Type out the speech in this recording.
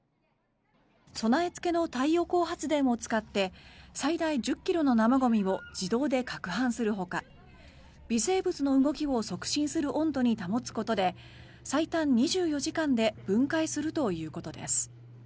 備え付けの太陽光発電を使って最大１０ｋｇの生ゴミを自動でかくはんするほか微生物の動きを促進する温度に保つことで最短２４時間で分解するということです。